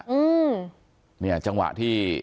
อืมนี่เจ้าจังหวะที่